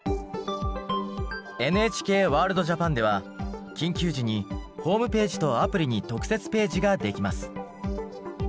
ＮＨＫワールドＪＡＰＡＮでは緊急時にホームページとアプリに特設ページができます。